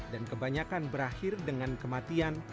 dan kebanyakan berakhir dengan kematian